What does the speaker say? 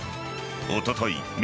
おととい